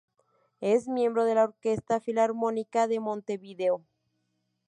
Es miembro de la Orquesta Filarmónica de Montevideo.